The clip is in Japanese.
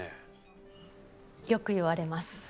よく言われます。